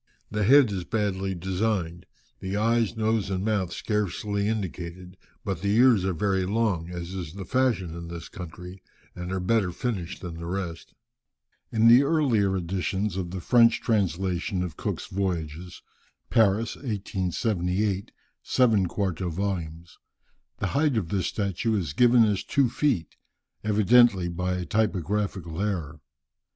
The head is badly designed, the eyes, nose, and mouth scarcely indicated, but the ears are very long, as is the fashion in this country, and are better finished than the rest." [Footnote 1: In the earlier editions of the French translation of Cook's Voyages (Paris, 1878, seven 4to vols.), the height of this statue is given as two feet, evidently by a typographical error.